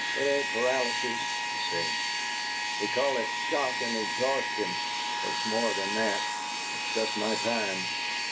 "It ain't paralysis," he said. "They call it 'shock and exhaustion'; but it's more than that. It's just my time.